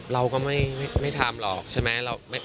เราก็ไม่ทำหรอกใช่ไหม